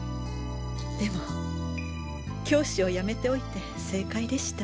でも教師を辞めておいて正解でした。